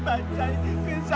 bajanya kesayangan mbak tenggelam